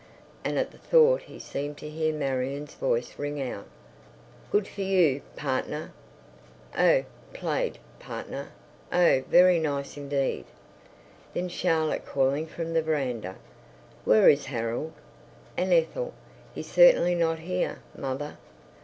And at the thought he seemed to hear Marion's voice ring out, "Good for you, partner.... Oh, played, partner.... Oh, very nice indeed." Then Charlotte calling from the veranda, "Where is Harold?" And Ethel, "He's certainly not here, mother."